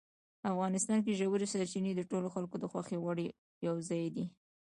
افغانستان کې ژورې سرچینې د ټولو خلکو د خوښې وړ یو ځای دی.